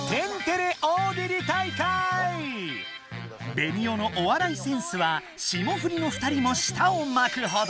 ベニオのお笑いセンスは霜降りの２人もしたをまくほど！